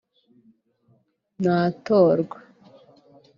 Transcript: natorwa